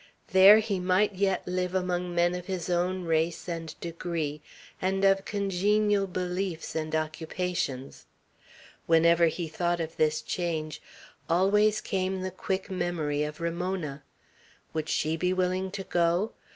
There he might yet live among men of his own race and degree, and of congenial beliefs and occupations. Whenever he thought of this change, always came the quick memory of Ramona. Would she be willing to go?